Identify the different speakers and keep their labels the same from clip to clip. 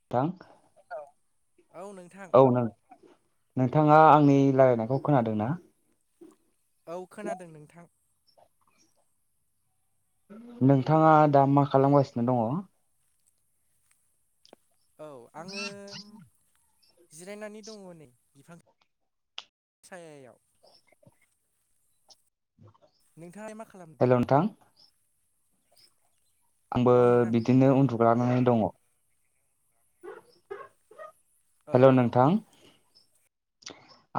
Speaker 1: नोंथां
Speaker 2: औ नोंथां
Speaker 1: औ नों नोंथांङा आंनि राय्लायनायखौ खोनादों ना?
Speaker 2: औ खोनादों नोंथां।
Speaker 1: नोंथांङा दा मा खालामगासिनो दङ?
Speaker 2: औ आंङो जिरायनानै दङ नै बिफां सायायाव। नोंथाङालाय मा खालामो?
Speaker 1: हेल' नोंथां आंबो
Speaker 2: औ नोंथां
Speaker 1: बिदिनो उन्दु ग्लांनानै दङ
Speaker 2: औ
Speaker 1: हेलौ नोंथां।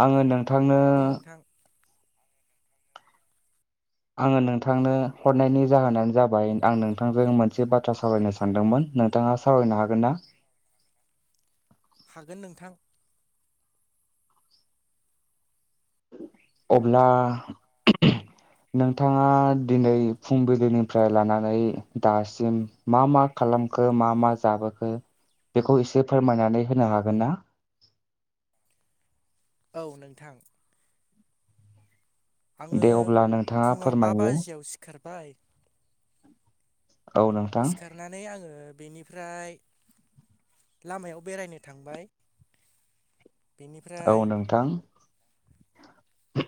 Speaker 1: आंङो नों थांनो
Speaker 2: औ नोंथां
Speaker 1: आंङो नोंथांनो हरनायनि जाहोनानो जाबाय आं नोंथांजों मोनसे बाथ्रा सावरायनो सानदोंमोन नोंथाङा सावरायनो हागोन ना?
Speaker 2: हागोन नोंथां।
Speaker 1: अब्ला नोंथाङा दिनै फुंबिलिनिफ्राय लानानै दासिम मा मा खालामखो मा मा जाबोखो बेखौ एसे फोरमायनानै होनो हागोन ना।
Speaker 2: औ नोंथां। आङो
Speaker 1: दे अब्ला नोंथाङा
Speaker 2: फुङाव बा
Speaker 1: फोरमायो
Speaker 2: बाजिसेयाव सिखार बाय।
Speaker 1: औ नोंथां
Speaker 2: सिखारनानै आङो बेनिफ्राय लामायाव बेरायनो थांबाय।
Speaker 1: औ
Speaker 2: बेनिफ्राय
Speaker 1: नोंथां।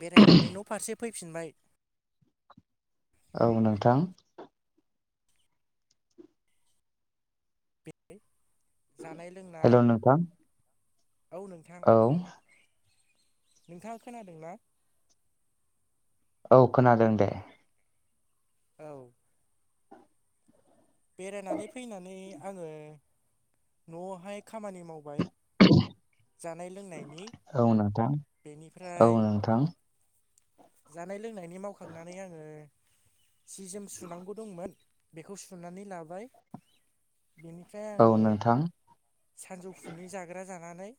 Speaker 2: बेरायनानै न' फारसे फैफिनबाय।
Speaker 1: औ नोंथां।
Speaker 2: बे जानाय
Speaker 1: हेल'
Speaker 2: लोंनाय
Speaker 1: नोंथां
Speaker 2: औ नोंथां।
Speaker 1: औ
Speaker 2: नोंथाङा खोनादोंना?
Speaker 1: औ खोनादों दे।
Speaker 2: औ। बेरायनानै फैनानै आङो न'आवहाय खामानि मावबाय। जानाय लोंनायनि
Speaker 1: औ नोंथां औ
Speaker 2: बेनिफ्राय
Speaker 1: नोंथां
Speaker 2: जानाय लोंनायनि मावखांनानै आङो सि जोम सुनांगौ दंमोन बेखौ सुनानै लाबाय। बेनिफ्राय आङो
Speaker 1: औ नोंथां
Speaker 2: सानजौफुनि जाग्रा जानानै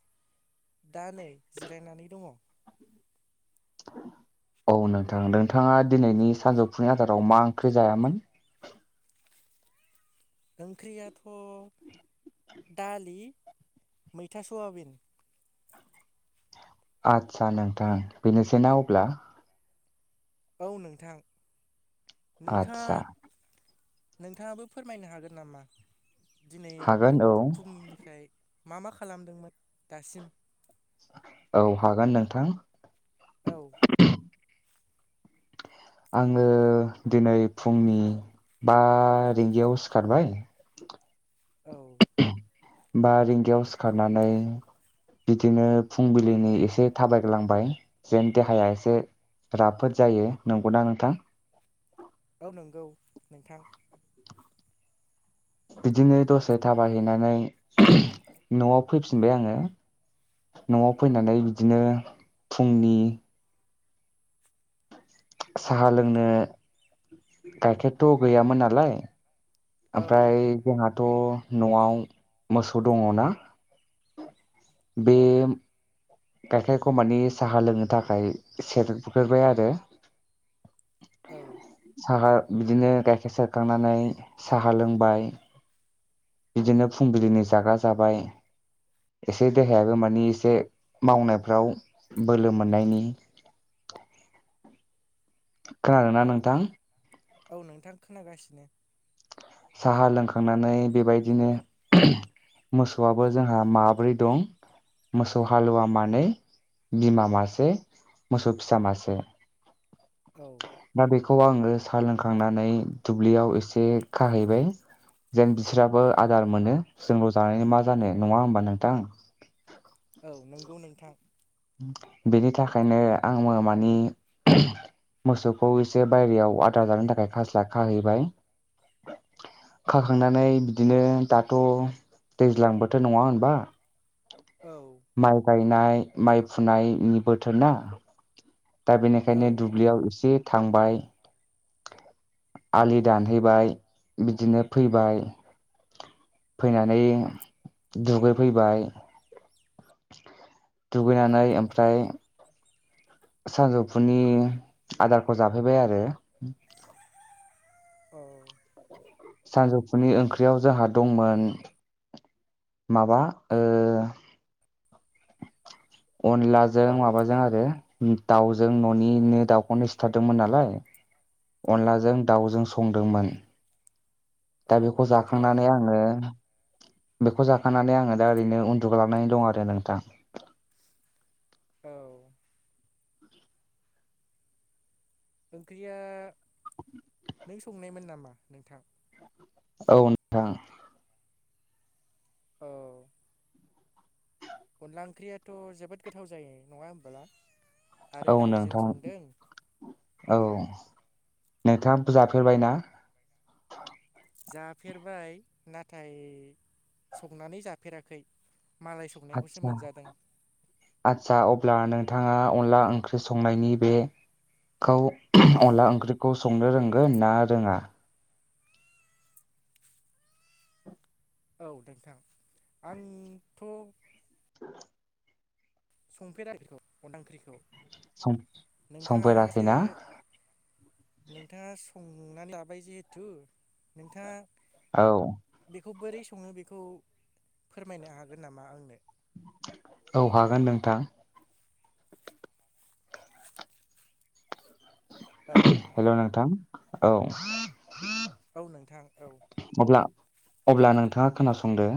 Speaker 2: दा नै जिरायनानै दङ।
Speaker 1: औ नोंथां नोंथाङा दिनैनि सानजौफुनि आदाराव मा ओंख्रि जायामोन?
Speaker 2: ओंख्रियाथ' दालि मैथा सयाबिन।
Speaker 1: आदसा नोंथां बेनोसै ना अब्ला।
Speaker 2: औ नोंथां। नोंथाङा
Speaker 1: आदसा
Speaker 2: नोंथाङाबो फोरमायनो हागोन नामा? दिनै
Speaker 1: हागोन औ
Speaker 2: फुंनिफ्राय मा मा खालामदोंमोन दासिम।
Speaker 1: औ हागोन नोंथां।
Speaker 2: औ।
Speaker 1: आङो दिनै फुंनि बा रिंगायाव सिखारबाय
Speaker 2: औ।
Speaker 1: बा रिंगायाव सिखारनानै बिदिनो फुंबिलिनि एसे थाबायग्लांबाय जेन देहाया एसे राफोद जायो नंगौना नोंथां?
Speaker 2: औ नोंगौ नोंथां।
Speaker 1: बिदिनो दसे थाबाय हैैनानै [unintelligible] न'आव फैफिनबाय आंङो न'आव फैनानै बिदिनो फुंनि साहा लोंनो गाइखेरथ' गैयामोन नालाय
Speaker 2: औ
Speaker 1: ओमफाय जोंहा थ' न'आव मोसौ दंङना
Speaker 2: औ
Speaker 1: बेओम गाइखेरखौ माने साहा लोंनो थाखाय सेरग्रोबाय आरो
Speaker 2: औ
Speaker 1: साहा बिदिनो गाइखेर सेरखांनानै साहा लोंबाय बिदिनो फुंबिलिनि जाग्रा जाबाय एसे देहायाबो मानि एसे मावनायफ्राव बोलो मोननायनि खोनादों ना
Speaker 2: औ
Speaker 1: नोंथां
Speaker 2: औ नोंथां खोनागासिनो
Speaker 1: साहा लोंखांनानै बे बायदिनो मोसौआबो जोंहा माब्रै दं मोसौ हालुवा मानै बिमा मासे मोसौ फिसा मासे
Speaker 2: औ
Speaker 1: दा बेखौ आंङो साहा लोंखांनानै दुब्लियाव एसे खाहैबाय जेन बिस्राबो आदार मोनो जोंल जानानैनि मा जानो नंङा होमबा नोंथां
Speaker 2: औ नंगौ नोंथां
Speaker 1: बेनि थाखायनो आंङो मानि मोसौखौ एसे बायेरायाव आदार जानो थाखाय खास्ला खाहैबाय खाखांनानै बिदिनो दाथ' दैज्लां बोथोर नंङा होनबा
Speaker 2: औ
Speaker 1: नाय माइ फुनायनि बोथोर ना दा
Speaker 2: औ
Speaker 1: बेनिखायनो दुब्लियाव एसे थांबाय आलि दानहैबाय बिदिनो फैबाय फैनानै दुगै फैबाय दुगैनानै ओमफ्राय सानजौफुनि आदारखौ जाफैबाय आरो
Speaker 2: औ
Speaker 1: सानजौफुनि ओंख्रियाव जोंहा दंमोन माबा ओ अनलाजों माबाजों आरो दाउजों न'निनो दाउखौनो सिथारदोंमोन नालाय अनलाजों दाउजों संदोंमोन दा बेखौ
Speaker 2: औ गोथाव
Speaker 1: जाखांनानै आंङो बेखौ जाखांनानै आंङो दा ओरैनो उन्दुग्लांनानै दं आरो नोंथां
Speaker 2: औ ओंख्रिया नों संनायमोन नामा नोंथां
Speaker 1: औ नोंथां
Speaker 2: औ अनला ओंख्रियाथ' जोबोद गोथाव जायो नंङा होमबोला आरो
Speaker 1: औ
Speaker 2: दाउजों
Speaker 1: नोंथां
Speaker 2: संदों
Speaker 1: औ नोंथांङा जाफेरबाय ना
Speaker 2: जाफेरबाय नाथाय संनानै जाफेराखै मालाय संनायखौसो
Speaker 1: आदसा
Speaker 2: मोनजादों
Speaker 1: आदसा अब्ला नों थांङा अनला ओंख्रि संनायनि बे खौ अनला ओंख्रिखौ संनो रोंगोन ना रोंङा
Speaker 2: औ नोंथां आंथ'
Speaker 1: [inaudible]
Speaker 2: संफेराखैथ' अनला ओख्रिखौ
Speaker 1: सं संफेराखैना?
Speaker 2: नोंथाङा संना लाबाय जेहेथु नोंथाङा
Speaker 1: औ
Speaker 2: बेखौ बोरै सङो बेखौ फोरमायनो हागोन नामा आंनो?
Speaker 1: औ हागोन नोंथां।
Speaker 2: औ
Speaker 1: हेलौ नोंथां? औ
Speaker 2: औ नोंथां औ।
Speaker 1: अब्ला अब्ला नोंथाङा खोनासंदो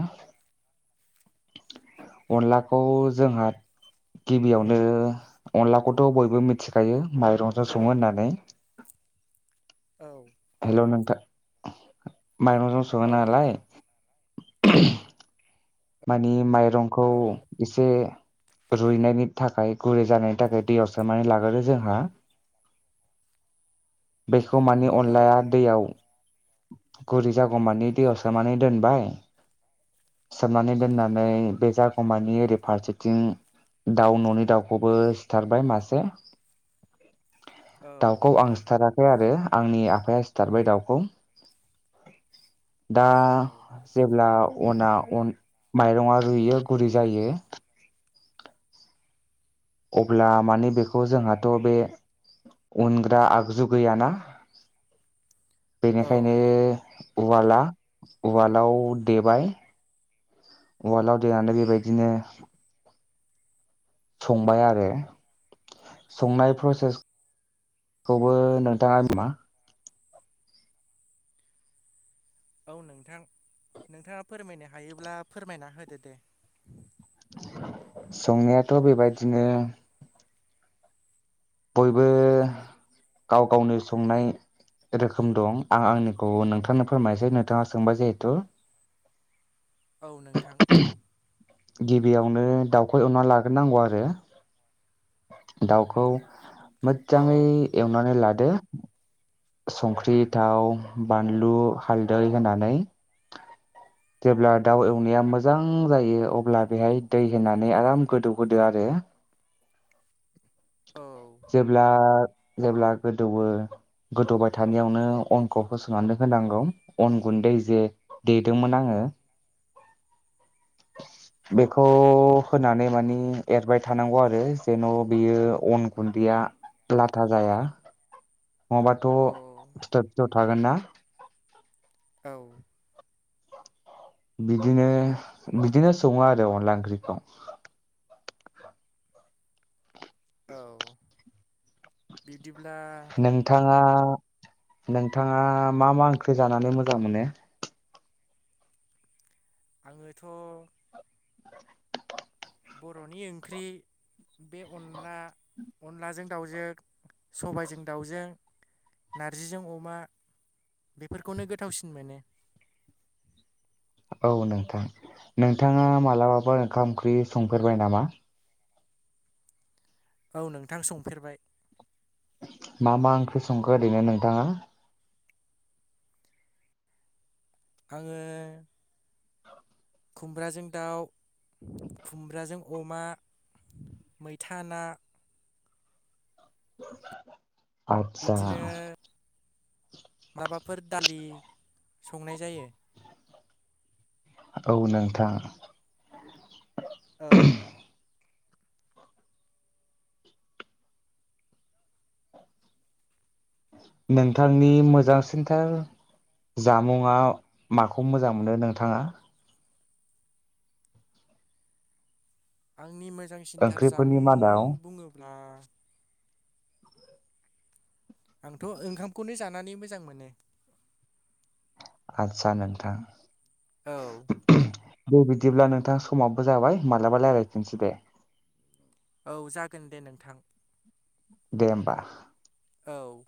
Speaker 1: अनलाखौ जोंहा गिबियावनो अनलाखौथ' बयबो मिथिखायो माइरंजों सङो होननानै।
Speaker 2: औ
Speaker 1: हेलौ नोंथां? माइरंजों
Speaker 2: औ
Speaker 1: सङोनालाय
Speaker 2: नोंथां
Speaker 1: मानि माइ रंखौ
Speaker 2: औ
Speaker 1: एसे रुइनायनि थाखाय गुरै जानायनि थाखाय दैयाव सोमनानै लाग्रोयो जोंहा। बै मानि
Speaker 2: औ
Speaker 1: अनला दैयाव गुरै जागौमानि दैयाव सोमनानै दोनबाय सोमनानै दोननानै बे जागौमानि ओरै फारसेथिं दाउ न'नि दाउखौबो सिथारबाय मासे
Speaker 2: औ
Speaker 1: दाउखौ आं सिथारा। आरो आंनि आफाया सिथारबाय दाउखौ। दा
Speaker 2: औ
Speaker 1: जेब्ला अन माइरङा रुयो गुरै जायो। अब्ला माने बेखौ जोंहाथ' बे उनग्रा आगजु गैयाना
Speaker 2: औ
Speaker 1: बेनिखायनो उवाला
Speaker 2: औ
Speaker 1: उवालाव देबाय। उवाल आव देनानै बेबायदिनो संबाय आरो संनाय प्रसेस खौबो नोंथाङा मा
Speaker 2: औ नोंथां नोंथाङा फोरमायनो हायोब्ला फोरमायना होदो दे
Speaker 1: संनायाथ' बे बायदिनो बयबो गाव गावनो संनाय रोखोम दं आं आंनिखौ नोंथांनो फोरमायसै नोंथाङा सोंबाय जेहेतु
Speaker 2: औ नोंथां।
Speaker 1: गिबियावनो दाउखौ एवना लागोरनांगौ आरो दाउखौ
Speaker 2: औ
Speaker 1: मोजाङै एवनानै लाद दो संख्रि थाव बानलु हालदै होनानै जेब्ला दाउ एवनाया मोजां जायो अब्ला बेहाय दै होनानै आराम गोदौहोदो आरो
Speaker 2: औ
Speaker 1: जेब्ला जेब्ला गोदौवो गोदौबाय थानायावनो अनखौ होसननानै होनांगौ अन गुन्दै जे देदोंमोन आङो बेखौ होनानै मानि एरबाय थानांगौ आरो जेन अन गुन्दैया लाथा जाया। नङाबाथ'
Speaker 2: औ
Speaker 1: फिथर
Speaker 2: उम
Speaker 1: फिथर थागोन ना
Speaker 2: औ
Speaker 1: बिदिनो बिदिनो सङो आरो अनला ओंख्रिखौ।
Speaker 2: औ बि
Speaker 1: नोंथाङा नोंथाङा मा मा ओंख्रि जानानै मोजां मोनो?
Speaker 2: आङोथ' बर'नि ओंख्रि बे अनला अनलाजों दाउजों सबायजों दाउजों नारजिजों अमा बेफोरखौनो गोथावसिन मोनो।
Speaker 1: औ नोंथां नोंथाङा मालाबाफोर ओंखाम ओंख्रि संफेरबाय नामा?
Speaker 2: औ नोंथां संफेरबाय
Speaker 1: मा मा ओंख्रि संखो ओरैनो नोंथाङा?
Speaker 2: आङो खुमब्राजों दाउ खुमब्राजों अमा मैथा ना।
Speaker 1: [unintelligible] आदसा
Speaker 2: बिब्दिनो माबाफोर दालि संनाय जायो
Speaker 1: औ नोंथां।
Speaker 2: औ
Speaker 1: नोंथांनि मोजांसिनथार जामुंआ माखौ मोजां मोनो नोंथाङा?
Speaker 2: नि मोजांसिनथार
Speaker 1: ओंख्रिफोरनि
Speaker 2: जामुं
Speaker 1: मादाव?
Speaker 2: बुङो ना
Speaker 1: [unintelligible]
Speaker 2: आंथ' ओंखामखौनो जानानै मोजां मोनो।
Speaker 1: आच्छा नोंथां।
Speaker 2: औ
Speaker 1: दे बिदिब्ला नोंथां समाबो जाबाय मालाबा रायलायफिनसै दे।
Speaker 2: औ जागोन दे नोंथां।
Speaker 1: दे होमबा।
Speaker 2: औ